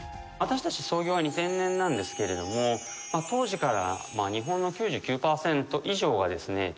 私たち創業は２０００年なんですけれども当時から日本の９９％以上はですね